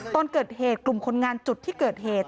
ตอนเกิดเหตุกลุ่มคนงานจุดที่เกิดเหตุ